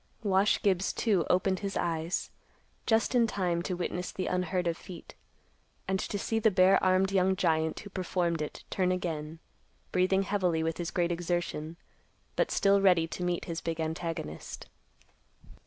_ Wash Gibbs, too, opened his eyes, just in time to witness the unheard of feat, and to see the bare armed young giant who performed it turn again, breathing heavily with his great exertion, but still ready to meet his big antagonist.